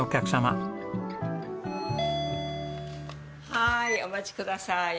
はいお待ちください。